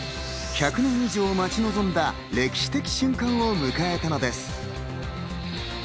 １００年以上待ち望んだ歴史的瞬間を迎えたのです。